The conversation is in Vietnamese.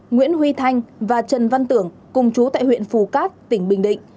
nguyễn huy thanh và trần văn tưởng cùng chú tại huyện phù cát tỉnh bình định